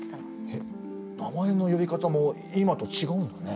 えっ名前の呼び方も今と違うんだね。